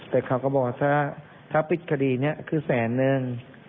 แต่เขาก็บอกว่าถ้าปิดคดีนี้คือแสนนึง